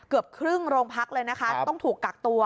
เกือบครึ่งโรงพักเลยนะคะต้องถูกกักตัว